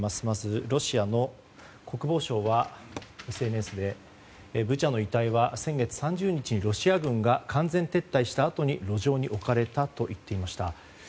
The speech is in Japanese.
まず、ロシア国防省はＳＮＳでブチャの遺体は先月３０日にロシア軍が完全撤退したあとに路上に置かれたと言っていました。